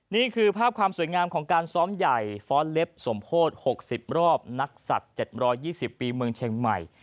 นี่คือภาพความสวยงามของการซ้อมใหญ่ฟ้อนเล็บสมโพธิ๖๐รอบนักศัตริย์๗๒๐ปีเมืองเชียงใหม่